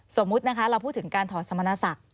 สมมุตินะคะเราพูดถึงการถอดสมณศักดิ์